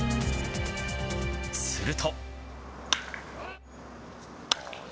すると。